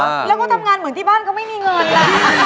แล้วก็ทำงานเหมือนที่บ้านเขาไม่มีเงินล่ะ